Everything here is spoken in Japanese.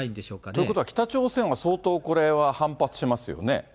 ということは北朝鮮は相当これは反発しますよね。